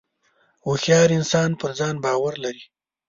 • هوښیار انسان پر ځان باور لري.